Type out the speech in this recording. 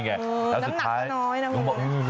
น้ำหนักน้อยนะ